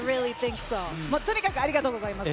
とにかく、ありがとうございます。